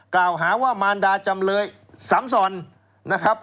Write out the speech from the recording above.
กล่าวหาว่ามารดาจำเลยสำสรรค์